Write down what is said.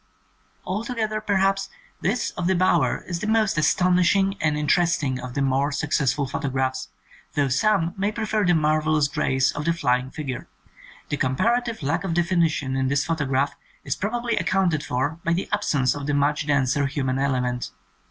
Alto gether, perhaps, this of the bower is the most astonishing and interesting of the more successful photographs, though some may prefer the marvellous grace of the flying figure. *'The comparative lack of definition in this photograph is probably accounted for by the absence of the much denser human element.